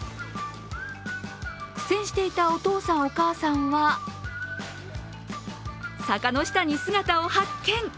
苦戦していたお父さん、お母さんは坂の下に姿を発見。